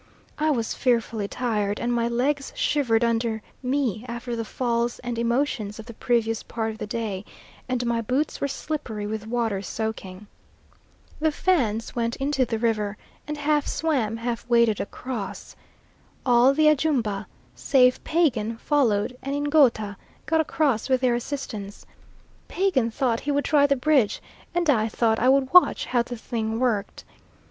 I was fearfully tired, and my legs shivered under me after the falls and emotions of the previous part of the day, and my boots were slippery with water soaking. The Fans went into the river, and half swam, half waded across. All the Ajumba, save Pagan, followed, and Ngouta got across with their assistance. Pagan thought he would try the bridge, and I thought I would watch how the thing worked.